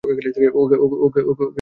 ওকে cover করো!